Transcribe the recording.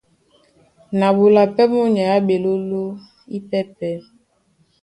Na ɓola pɛ́ mɔ́ nyay á ɓeɓoló ípɛ́pɛ̄.